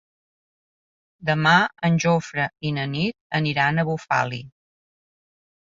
Demà en Jofre i na Nit aniran a Bufali.